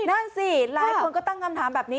นั่นสิหลายคนก็ตั้งคำถามแบบนี้